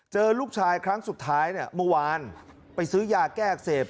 เจอลูกชายครั้งสุดท้ายเนี่ยเมื่อวานไปซื้อยาแก้อักเสบ